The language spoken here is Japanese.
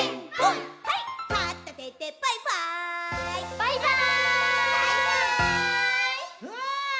バイバーイ！